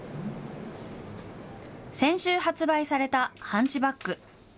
先週、発売されたハンチバック。